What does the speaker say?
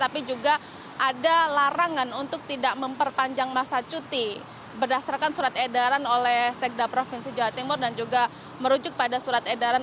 pemprof jawa timur